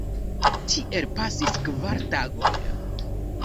Tiel pasis kvar tagoj.